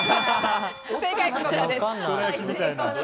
正解はこちらです。